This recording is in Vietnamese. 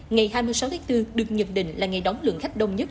ngày hai mươi sáu tháng bốn được nhận định là ngày đóng lượng khách đông nhất